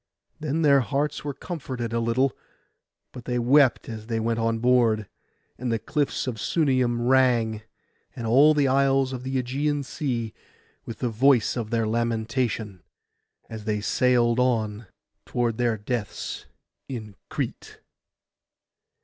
Then their hearts were comforted a little; but they wept as they went on board, and the cliffs of Sunium rang, and all the isles of the Ægean Sea, with the voice of their lamentation, as they sailed on toward their deaths in Crete.